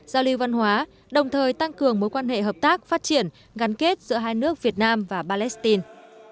giao lưu văn hóa đồng thời tăng cường mối quan hệ hợp tác phát triển gắn kết giữa hai nước việt nam và palestine